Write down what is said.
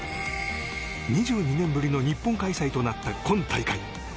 ２２年ぶりの日本開催となった今大会。